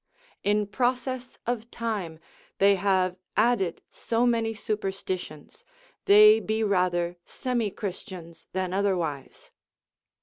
In process of time they have added so many superstitions, they be rather semi Christians than otherwise.